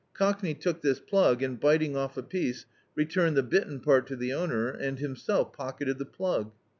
Coclmey took this plug and, biting off a piece, returned the bitten part to the owner, and himself pocketed the plug.